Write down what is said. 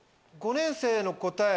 ５年生の答え。